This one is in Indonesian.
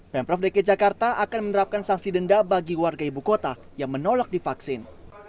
pemprov dki jakarta akan menerapkan sanksi denda bagi warga ibu kota yang menolak divaksin